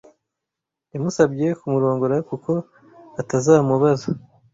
Yamusabye kumurongora kuko atazamubaza.